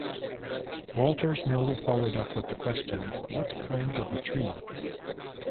Walters merely followed up with the question, What kind of a tree?